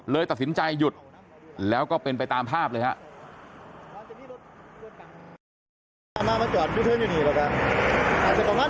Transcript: เลยตัดสินใจหยุดแล้วก็เป็นไปตามภาพเลยครับ